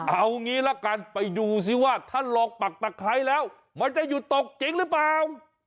เอางี้ละกันไปดูซิว่าถ้าลองปักตะไคร้แล้วมันจะหยุดตกจริงหรือเปล่า